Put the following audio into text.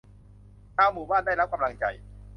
ชาวหมู่บ้านได้รับกำลังใจ